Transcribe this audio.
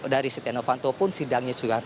dari setia novanto pun sidangnya sudah